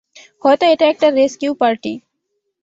হয়তো এটা একটা রেসকিউ পার্টি।